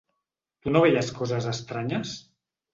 Tu no veies coses estranyes?